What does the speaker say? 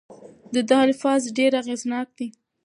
د ده الفاظ ډېر اغیزناک دي.